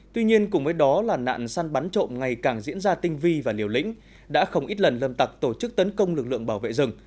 tuy nhiên cùng với đó là nạn săn bắn trộm ngày càng diễn ra tinh vi và liều lĩnh đã không ít lần lâm tặc tổ chức tấn công lực lượng bảo vệ rừng